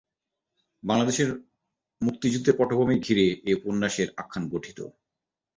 বাংলাদেশের মুক্তিযুদ্ধের পটভূমি ঘিরে এ উপন্যাসের আখ্যান গঠিত।